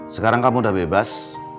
sekarang kamu sudah bebas